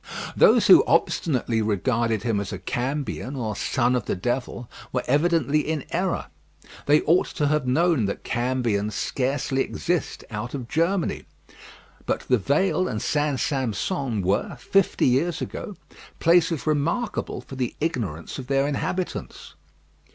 Those who obstinately regarded him as a cambion, or son of the devil, were evidently in error. They ought to have known that cambions scarcely exist out of Germany. But The Vale and St. Sampson were, fifty years ago, places remarkable for the ignorance of their inhabitants.